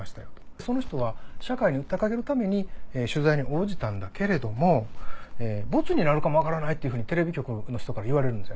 その人は社会に訴えかけるために取材に応じたんだけれども「ボツになるかも分からない」というふうにテレビ局の人から言われるんですよ。